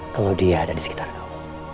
kalau dia ada di sekitar kau